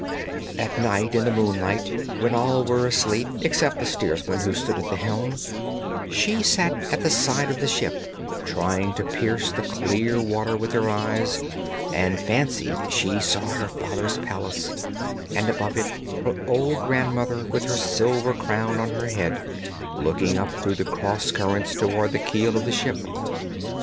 At night, in the moonlight, when all were asleep, except the steersman who stood at the helm, she sat at the side of the ship trying to pierce the clear water with her eyes, and fancied she saw her father's palace, and above it her old grandmother with her silver crown on her head, looking up through the cross currents towards the keel of the ship.